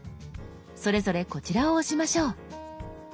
それぞれこちらを押しましょう。